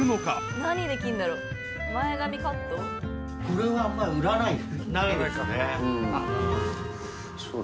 これはあんま売らない。